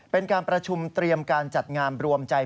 เป็นการประชุมเตรียมการจัดงานรวมใจ